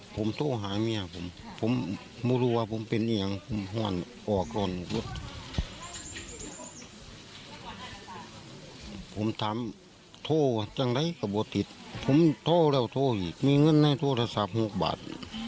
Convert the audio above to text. ผมโทรแล้วโทรอีกมีเงินให้โทรหนักสามหกบาท